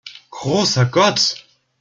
Großer Gott!